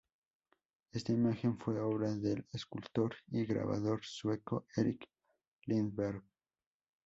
Esta imagen fue obra del escultor y grabador sueco Erik Lindberg.